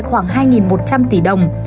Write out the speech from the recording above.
khoảng hai một trăm linh tỷ đồng